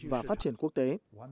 và phát triển quốc tế